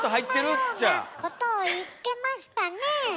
そんなようなことを言ってましたねぇ。